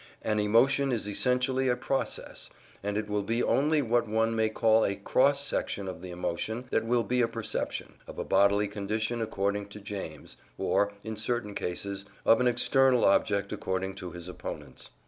An emotion is essentially a process, and it will be only what one may call a cross section of the emotion that will be a perception, of a bodily condition according to James, or (in certain cases) of an external object according to his opponents.